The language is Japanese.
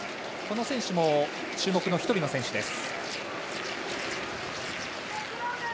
この選手も注目選手の１人です。